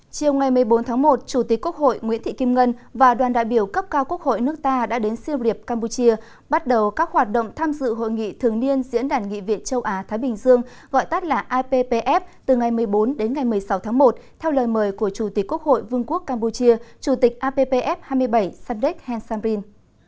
chiều ngày một mươi bốn tháng một chủ tịch quốc hội nguyễn thị kim ngân và đoàn đại biểu cấp cao quốc hội nước ta đã đến siêu riệp campuchia bắt đầu các hoạt động tham dự hội nghị thường niên diễn đàn nghị viện châu á thái bình dương gọi tắt là ippf từ ngày một mươi bốn đến ngày một mươi sáu tháng một theo lời mời của chủ tịch quốc hội vương quốc campuchia chủ tịch ippf hai mươi bảy sandex hansamrin